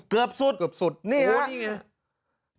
เกือบสุดเกือบสุดนี่แหละโอ้ยนี่ไหม